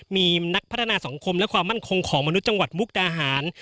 มีนักพัฒนาสังคมและความมั่นคงของมนุษย์จังหวัดมุกดาหาร